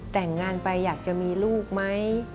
แต่งงานไปอยากจะมีลูกไหม